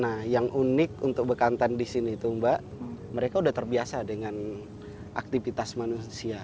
nah yang unik untuk bekantan di sini itu mbak mereka sudah terbiasa dengan aktivitas manusia